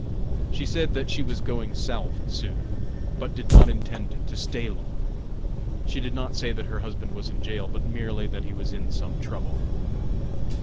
She said that she was going South soon, but did not intend to stay long. She did not say that her husband was in jail, but merely that he was in some trouble.